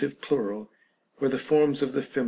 pi., where the forms of the Fem.